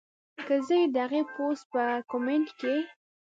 کۀ زۀ د هغې پوسټ پۀ کمنټ کښې